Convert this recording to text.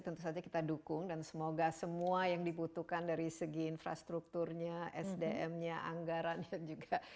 tentu saja kita dukung dan semoga semua yang dibutuhkan dari segi infrastrukturnya sdm nya anggarannya juga